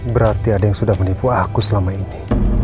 berarti ada yang sudah menipu aku selama ini